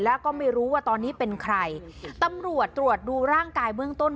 แล้วก็ไม่รู้ว่าตอนนี้เป็นใครตำรวจตรวจดูร่างกายเบื้องต้น